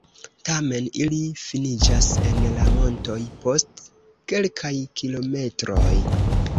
Tamen ili finiĝas en la montoj post kelkaj kilometroj.